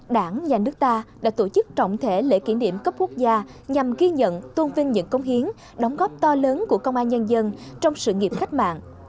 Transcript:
đảng nhà nước ta đã tổ chức trọng thể lễ kỷ niệm cấp quốc gia nhằm ghi nhận tôn vinh những công hiến đóng góp to lớn của công an nhân dân trong sự nghiệp cách mạng